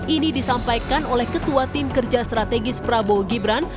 ini disampaikan oleh ketua tim kerja strategis prabowo gibran